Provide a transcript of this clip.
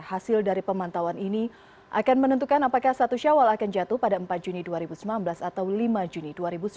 hasil dari pemantauan ini akan menentukan apakah satu syawal akan jatuh pada empat juni dua ribu sembilan belas atau lima juni dua ribu sembilan belas